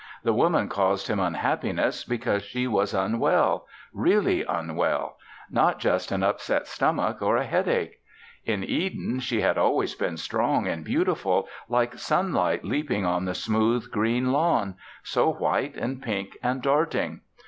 The Woman caused him unhappiness because she was unwell really unwell; not just an upset stomach or a headache. In Eden she had always been strong and beautiful, like sunlight leaping on the smooth, green lawn so white and pink and darting.